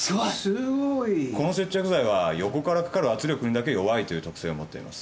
この接着剤は横から掛かる圧力にだけ弱いという特性を持っています。